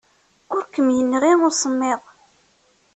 Ur kem-yenɣi usemmiḍ.